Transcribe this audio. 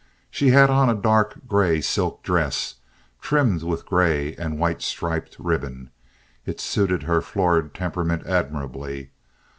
She had on a dark gray silk dress, trimmed with gray and white striped ribbon. It suited her florid temperament admirably.